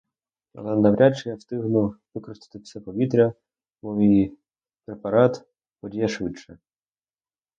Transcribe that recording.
Але навряд чи я встигну використати все повітря, бо мій препарат подіє швидше.